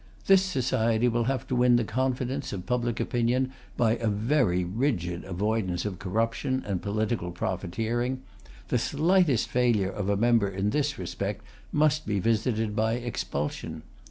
This society will have to win the confidence of public opinion by a very rigid avoidance of corruption and political profiteering; the slightest failure of a member in this respect must be visited by expulsion.